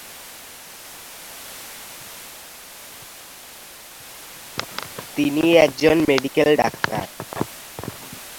তিনি একজন medical doctor.